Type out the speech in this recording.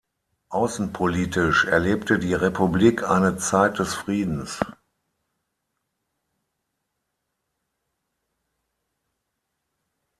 Außenpolitisch erlebte die Republik eine Zeit des Friedens.